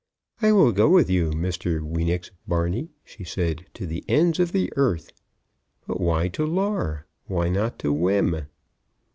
"I will go with you Mr. Weenix Barney," she said, "to the ends of the earth. But why to Lar? Why not to Wem?"